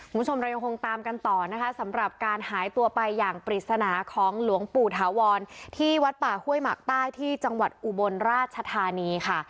คุณผู้ชมเรายังคงตามกันต่อนะคะสำหรับการหายตัวไปอย่างปริศนาของหลวงปู่ถาวรที่วัดป่าห้วยหมักใต้ที่จังหวัดอุบลราชธานีค่ะ